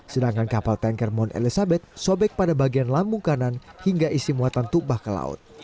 sedangkan kapal tanker mount elizabeth sobek pada bagian lambung kanan hingga isi muatan tumpah ke laut